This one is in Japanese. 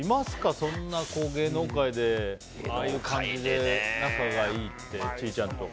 そんな芸能界でああいう感じで仲がいいって千里ちゃんとか。